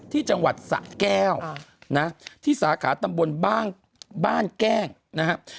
ที่จังหวัดสะแก้วนะที่สาขาตำบลบ้านแก้งนะครับ